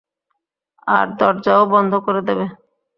আর দরজাও বন্ধ করে দেবে?